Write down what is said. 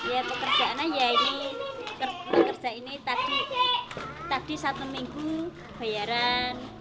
ya pekerjaan ini pekerjaan ini tadi satu minggu bayaran